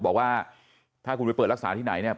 บอกว่าถ้าคุณไปเปิดรักษาที่ไหนเนี่ย